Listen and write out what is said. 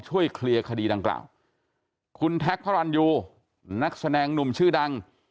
ช่วยเคลียร์คดีดังกล่าวคุณแท็กพระรันยูนักแสดงหนุ่มชื่อดัง